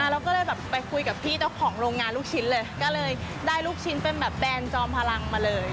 เราก็เลยแบบไปคุยกับพี่เจ้าของโรงงานลูกชิ้นเลยก็เลยได้ลูกชิ้นเป็นแบบแบรนดจอมพลังมาเลย